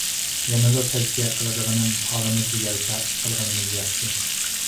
يەنىلا تەۋسىيە قىلىدىغىنىم، ھالىمىزغا يارىشا ئىش قىلغىنىمىز ياخشى.